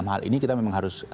jadi kita memang harus